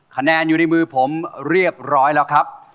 คะแนนอยู่ในมือผมเรียบร้อยแล้วครับ